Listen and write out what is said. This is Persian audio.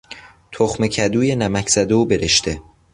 تخمه کدوی نمکزده و برشته